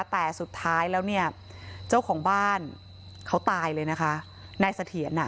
แต่สุดท้ายแล้วเนี่ยเจ้าของบ้านเขาตายเลยนะคะนายเสถียรอ่ะ